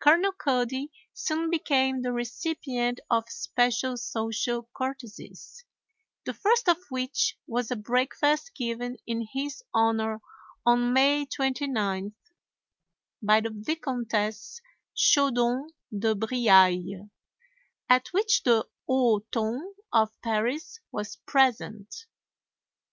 Colonel Cody soon became the recipient of especial social courtesies, the first of which was a breakfast given in his honor on May 29th by the Vicomtesse Chaudon de Briailles, at which the haut ton of Paris was present.